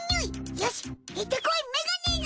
よし行ってこいメガネーズ！